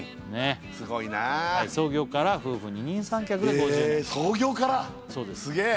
すごいな創業から夫婦二人三脚で５０年え創業からすげえ！